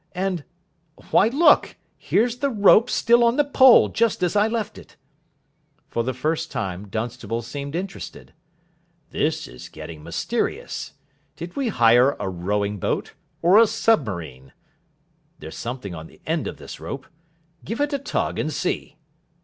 And why, look! here's the rope still on the pole, just as I left it." For the first time Dunstable seemed interested. "This is getting mysterious. Did we hire a rowing boat or a submarine? There's something on the end of this rope. Give it a tug, and see.